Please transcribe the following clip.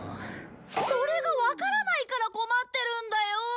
それがわからないから困ってるんだよ！